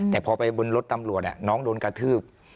แต่พอไปบนรถตำรวจน้องโดนกระทืบ